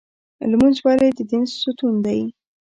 لمونځ ولې د دین ستون دی؟